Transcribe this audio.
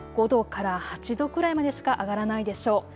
５度から８度くらいまでしか上がらないでしょう。